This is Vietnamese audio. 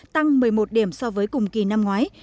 tăng một mươi một điểm so với cùng kỳ năm ngoái